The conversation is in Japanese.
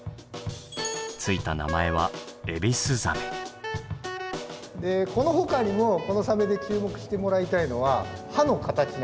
付いた名前はこのほかにもこのサメで注目してもらいたいのは歯？